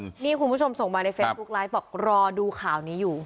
นี่คุณผู้ชมส่งมาในเฟซบุ๊คไลฟ์บอกรอดูข่าวนี้อยู่